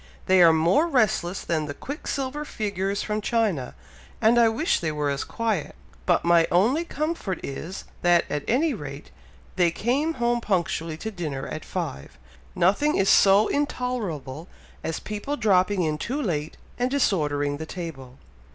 They are more restless than the quicksilver figures from China, and I wish they were as quiet, but my only comfort is, that at any rate they come home punctually to dinner at five. Nothing is so intolerable as people dropping in too late and disordering the table."